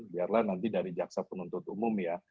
biarlah nanti dari jaksa penuntut umum ya